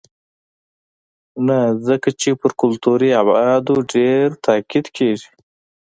نه ځکه چې پر کلتوري ابعادو ډېر تاکید کېږي.